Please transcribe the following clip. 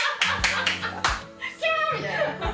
・キャーみたいな。